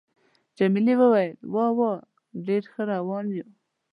جميلې وويل:: وا وا، ډېر ښه روان یو.